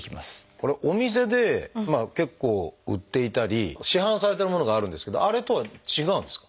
これはお店で結構売っていたり市販されてるものがあるんですけどあれとは違うんですか？